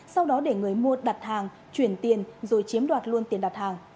sau đó để người mua đặt hàng chuyển tiền rồi chiếm đoạt luôn tiền đặt hàng